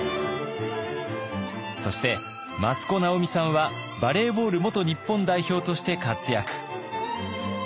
そして益子直美さんはバレーボール元日本代表として活躍。